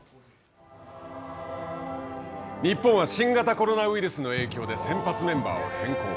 日本は新型コロナウイルスの影響で先発メンバーを変更。